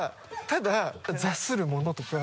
ただ「座するもの」とか。